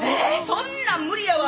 そんなん無理やわ。